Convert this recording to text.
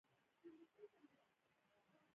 د لرګی اواز د دوی زړونه ارامه او خوښ کړل.